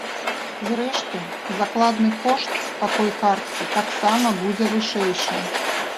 Зрэшты, закладны кошт такой карткі таксама будзе вышэйшым.